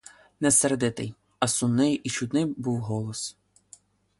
Не сердитий, а сумний і чудний був голос.